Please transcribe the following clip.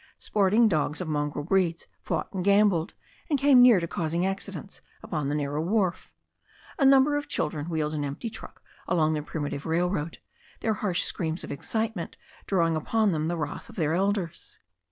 Sporting dogs of mongrel breeds fought and gambolled, and came near to causing accidents upon the narrow wharf. A number of children wheeled an empty truck along the primitive railroad, their harsh screams of excitement drawing upon them the wrath of their elders.